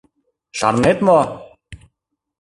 Шарнет мо?